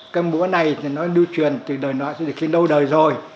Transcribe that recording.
cái múa này thì nó lưu truyền từ đời nọ từ khi lâu đời rồi